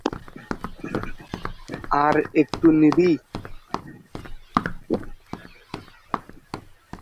আর একটু নিবি?